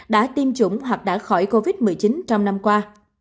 đã tiêm chủng hoặc đã khỏi covid một mươi chín trong năm qua